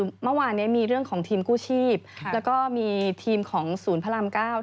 เมื่อวานนี้มีเรื่องของทีมกู้ชีพแล้วก็มีทีมของศูนย์พระราม๙